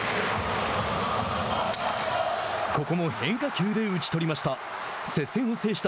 ここも変化球で打ち取りました。